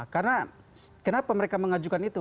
karena kenapa mereka mengajukan itu